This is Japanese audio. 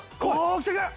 きてくれ！